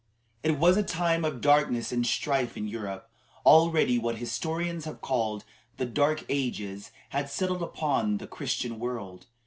It was a time of darkness and strife in Europe. Already what historians have called the Dark Ages had settled upon the Christian world.